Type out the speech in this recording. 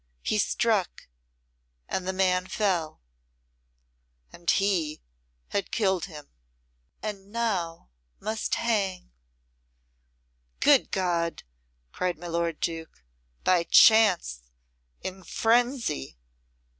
He struck, and the man fell and he had killed him! And now must hang." "Good God!" cried my lord Duke. "By chance! In frenzy!